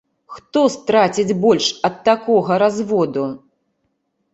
Хто страціць больш ад такога разводу?